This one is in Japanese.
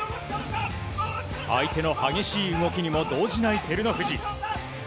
相手の激しい動きにも動じない照ノ富士。